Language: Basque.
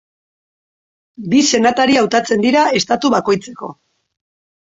Bi senatari hautatzen dira estatu bakoitzeko.